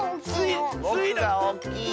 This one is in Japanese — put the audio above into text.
スイがおおきいの！